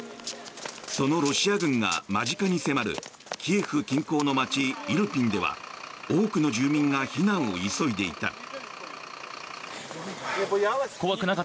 そのロシア軍が間近に迫るキエフ近郊の街イルピンでは多くの住民が避難を急いでいた。